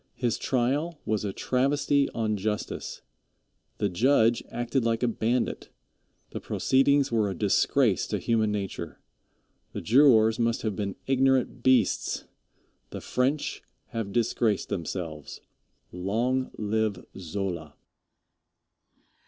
His trial was a travesty on justice. The judge acted like a bandit. The proceedings were a disgrace to human nature. The jurors must have been ignorant beasts. The French have disgraced themselves. Long live Zola.